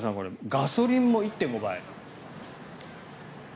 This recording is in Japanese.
ガソリンも１．５倍。